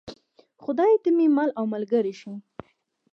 خدایه ته مې مل او ملګری شې.